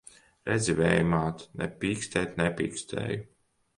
Redzi, Vēja māt! Ne pīkstēt nepīkstēju!